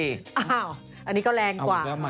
อันนี้ก็แรงกว่า